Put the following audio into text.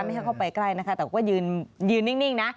ให้เข้าไปใกล้นะคะแต่ว่ายืนนิ่งนะ